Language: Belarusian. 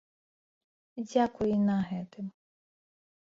Дзякуй і на гэтым!